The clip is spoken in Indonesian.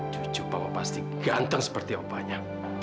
cucu pak pasti ganteng seperti opahnya